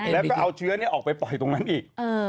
แล้วก็เอาเชื้อออกไปปล่อยตรงนั้นอีก